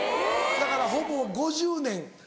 だからほぼ５０年。